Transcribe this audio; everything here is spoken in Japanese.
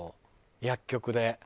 薬局で。